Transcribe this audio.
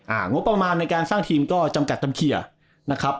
งบประมาณในการสร้างทีมก็จำกัดตำเคลียร์นะครับ